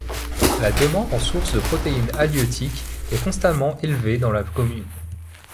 La demande en sources de protéines halieutiques est constamment élevée dans la commune.